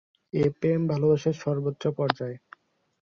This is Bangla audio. এ প্রেম ভালোবাসার সর্ব্বোচ্চ পর্যায়।